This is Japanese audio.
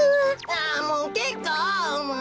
あもうけっこう！